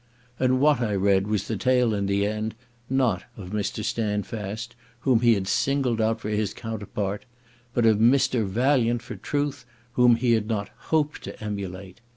And what I read was the tale in the end not of Mr Standfast, whom he had singled out for his counterpart, but of Mr Valiant for Truth whom he had not hoped to emulate.